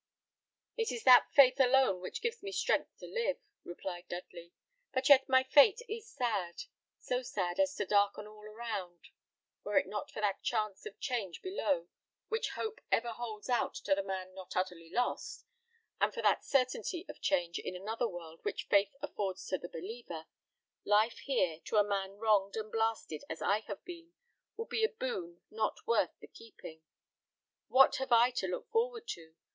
"It is that faith alone which gives me strength to live," replied Dudley; "but yet my fate is sad: so sad as to darken all around. Were it not for that chance of change below, which hope ever holds out to the man not utterly lost, and for that certainty of change in another world which faith affords to the believer, life here, to a man wronged and blasted as I have been, would be a boon not worth the keeping. What have I to look forward to?